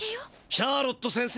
シャーロット先生